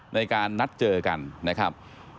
ในการนัดเจอกันนะครับ